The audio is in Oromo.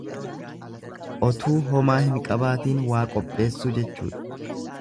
Otuu homaa hin qabaatiin waa qopheessuu jechuudha.